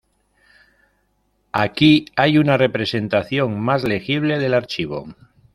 Aquí hay una representación más legible del archivo.